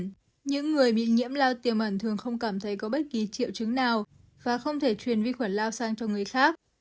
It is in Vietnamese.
những người bị nhiễm lao tiềm mận thường không cảm thấy có bất kỳ triệu chứng nào và không thể truyền vi khuẩn lao sang cho người khác